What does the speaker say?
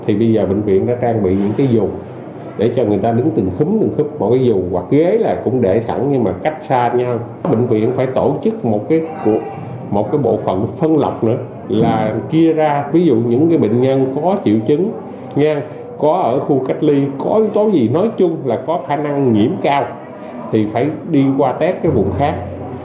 thì bây giờ bệnh viện đã trang bị những cái dù để cho người ta đứng từng khúm từng khúc mỗi cái dù hoặc ghế là cũng để sẵn nhưng mà cách xa nhau bệnh viện phải tổ chức một cái bộ phận phân lọc nữa là kia ra ví dụ những cái bệnh nhân có triệu chứng có ở khu cách ly có tố gì nói chung là có khả năng nhiễm cao thì phải đi qua test cái vùng khác